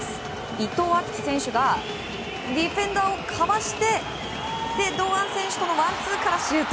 伊藤敦樹選手がディフェンダーをかわして堂安選手とのワンツーからのシュート。